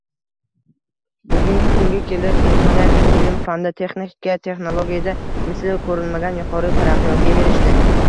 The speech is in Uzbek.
Bugungi kunga kelib insoniyat ilm-fanda, texnika-texnologiyada misli ko‘rilmagan yuqori taraqqiyotga erishdi